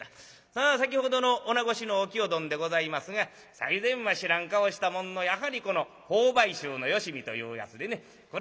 さあ先ほどの女衆のお清どんでございますが最前は知らん顔したもんのやはりこの朋輩衆のよしみというやつでね蔵